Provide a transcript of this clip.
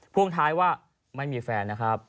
พ่วงท้ายว่าไม่มีแฟนนะครับ